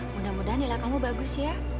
mudah mudahan nilai kamu bagus ya